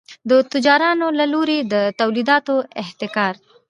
د تجارانو له لوري د تولیداتو احتکار.